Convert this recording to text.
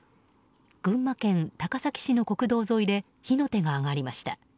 群馬県高崎市の国道沿いで火の手が上がりました。